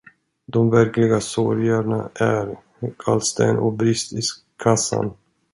De verkliga sorgerna är gallsten och brist i kassan!